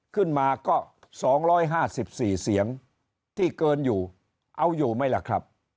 ขึ้นมาก็๒๕๔เสียงที่เกินอยู่เอาอยู่ไหมล่ะครับ